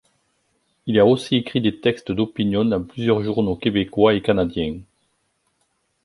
Il a aussi écrit des textes d'opinion dans plusieurs journaux québécois et canadiens.